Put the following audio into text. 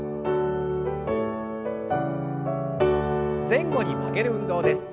前後に曲げる運動です。